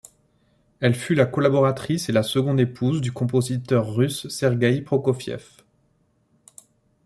Elle fut la collaboratrice et la seconde épouse du compositeur russe Sergueï Prokofiev.